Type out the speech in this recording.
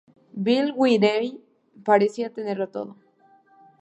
Bill Whitney parecía tenerlo todo.